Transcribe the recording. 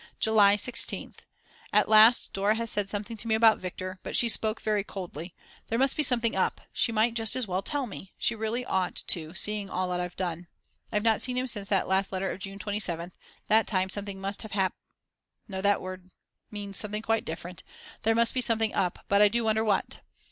July 16th. At last Dora has said something to me about Viktor, but she spoke very coldly; there must be something up; she might just as well tell me; she really ought to seeing all that I've done. I have not seen him since that last letter of June 27th; that time something must have hap no that word means something quite different, there must be something up, but I do wonder what.